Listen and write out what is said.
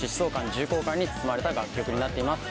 重厚感に包まれた楽曲になっています。